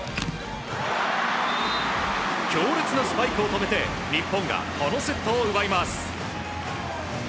強烈なスパイクを止めて日本がこのセットを奪います。